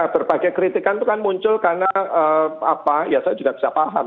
berbagai kritikan itu muncul karena saya juga tidak bisa paham